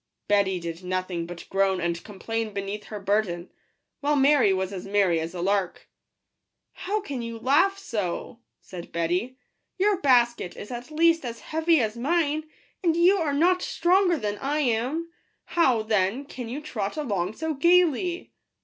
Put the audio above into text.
Betty did no thing but groan and complain beneath her burden, while Mary was as merry as a lark. " How can you laugh so !" said Betty :" your basket is at least as heavy as mine, and you are not stronger than I am ; how, then, can you trot along so gaily